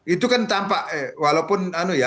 itu kan tampak walaupun